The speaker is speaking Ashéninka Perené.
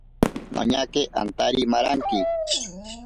Noñake antari maranki.